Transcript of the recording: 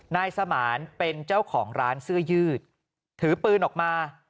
นายสมานเป็นเจ้าของร้านเสื้อยืดถือปืนออกมา